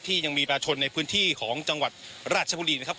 ยังมีประชาชนในพื้นที่ของจังหวัดราชบุรีนะครับ